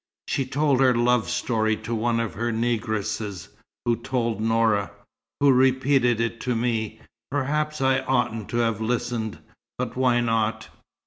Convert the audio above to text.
She told her 'love story' to one of her negresses, who told Noura who repeated it to me. Perhaps I oughtn't to have listened, but why not?"